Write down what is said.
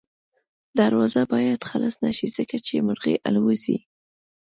دروازه باید خلاصه نه شي ځکه چې مرغۍ الوځي.